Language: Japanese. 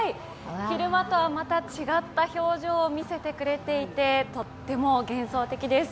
昼間とはまた違った表情を見せてくれていてとっても幻想的です。